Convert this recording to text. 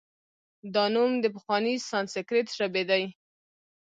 دا نوم د پخوانۍ سانسکریت ژبې دی